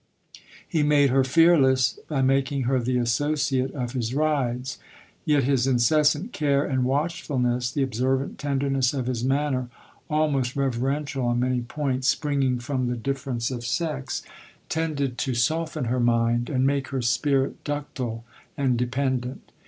He made her fearless, by making her the associate of his rides ; yet his incessant care and watchfulness, the observant tenderness of his manner, almost reverential on many points, springing from the difference of sex, tended 30 LODORE. to soften her mind, and make her spirit ductile and dependent.